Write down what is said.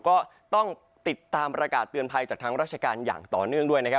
ก็ต้องติดตามประกาศเตือนภัยจากทางราชการอย่างต่อเนื่องด้วยนะครับ